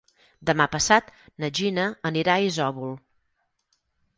Demà passat na Gina anirà a Isòvol.